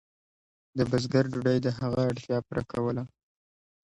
د بزګر ډوډۍ د هغه اړتیا پوره کوله.